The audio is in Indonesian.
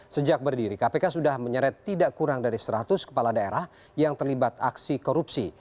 sejak berdiri kpk sudah menyeret tidak kurang dari seratus kepala daerah yang terlibat aksi korupsi